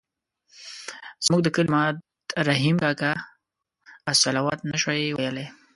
زموږ د کلي ماد رحیم کاکا الصلواة نه شوای ویلای.